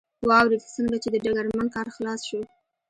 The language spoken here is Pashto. واورېد، څنګه چې د ډګرمن کار خلاص شو.